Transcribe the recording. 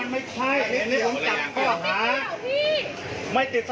ไม่ใช่ลิขสิทธิ์